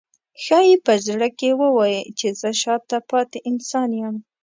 ښایي په زړه کې ووایي چې زه شاته پاتې انسان یم.